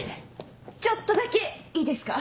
ちょっとだけいいですか？